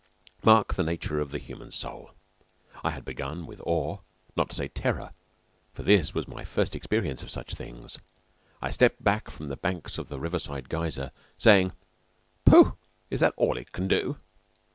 Mark the nature of the human soul! I had begun with awe, not to say terror, for this was my first experience of such things. I stepped back from the banks of the Riverside Geyser, saying: "Pooh! Is that all it can do?"